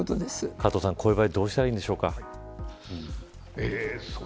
加藤さん、この場合どうしたらいいんでしょうか。